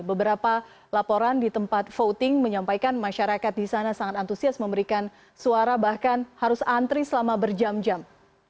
beberapa laporan di tempat voting menyampaikan masyarakat di sana sangat antusias memberikan suara bahkan harus antri selama berjam jam